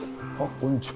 こんにちは。